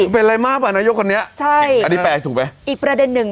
เป็นอะไรมากกว่านายกคนนี้ใช่อันนี้แปลถูกไหมอีกประเด็นหนึ่ง